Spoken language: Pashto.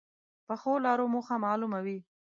پخو لارو موخه معلومه وي